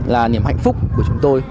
là niềm hạnh phúc của chúng tôi